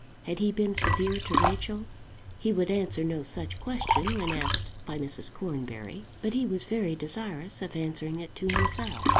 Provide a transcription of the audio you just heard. Had he been severe to Rachel? He would answer no such question when asked by Mrs. Cornbury, but he was very desirous of answering it to himself.